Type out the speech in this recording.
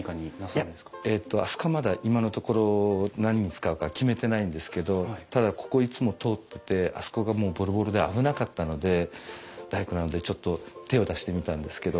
いやあそこはまだ今のところ何に使うか決めてないんですけどただここいつも通っててあそこがもうボロボロで危なかったので大工なのでちょっと手を出してみたんですけどはい。